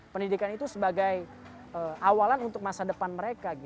pendidikan itu sebagai awalan untuk masa depan mereka